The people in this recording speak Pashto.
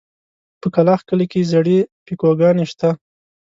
په کلاخ کلي کې زړې پيکوگانې شته.